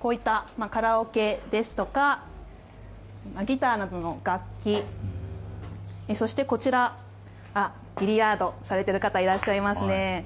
こういったカラオケですとかギターなどの楽器そしてビリヤードをされている方いらっしゃいますね。